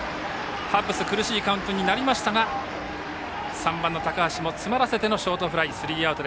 ハッブス苦しいカウントになりましたが３番の高橋も詰まらせてのショートフライ、スリーアウト。